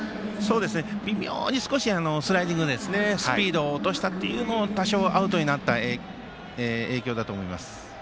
微妙に少しスライディングのスピードを落としたことも多少、アウトになったところだと思います。